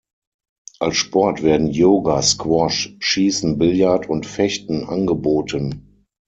Als Sport werden Yoga, Squash, Schießen, Billard und Fechten angeboten.